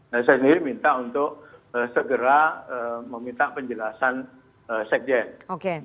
nah saya sendiri minta untuk segera meminta penjelasan sekjen